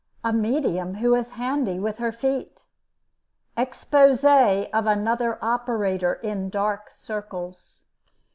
A MEDIUM WHO IS HANDY WITH HER FEET. EXPOSÉ OF ANOTHER OPERATOR IN DARK CIRCLES.